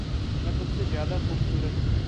मैं तुमसे ज़्यादा खूबसूरत हूँ।